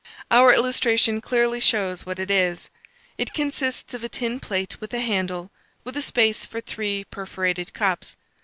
Our illustration clearly shows what it is: it consists of a tin plate with a handle, with a space for three perforated cups.